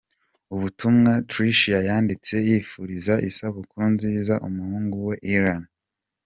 Ubutumwa Tricia yanditse yifuriza isabukuru nziza umuhungu we Elan.